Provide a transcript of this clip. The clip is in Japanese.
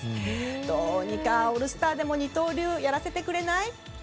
どうにかオールスターでも二刀流をやらせてくれない？って